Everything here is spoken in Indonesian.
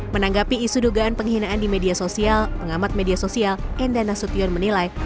menanggapi isu dugaan penghinaan di media sosial pengamat media sosial enda nasution menilai